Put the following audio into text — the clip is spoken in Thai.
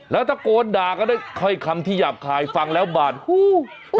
แล้วถ้าโกรธดาก็ได้ค่อยคำที่หยาบคายฟังแล้วบาดฮู้อุ่น